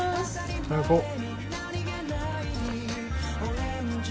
いただこう。